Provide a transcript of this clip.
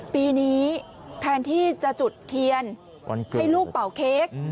ปีนี้แทนที่จะจุดเทียนให้ลูกเป่าเค้ก